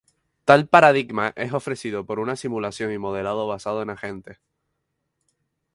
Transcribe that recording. Tal paradigma es ofrecido por una simulación y modelado basado en agente.